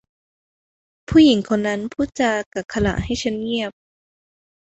ผู้หญิงคนนั้นพูดจากักขฬะให้ฉันเงียบ